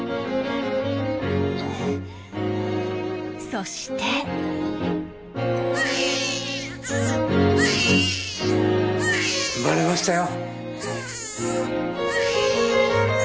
そして生まれましたよ。